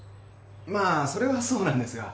まあそれはそうなんですが。